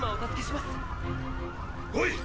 おい！